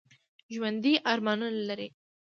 ژوندي ارمانونه لري